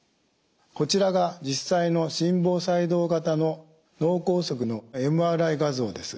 こちらが実際の心房細動型の脳梗塞のＭＲＩ画像です。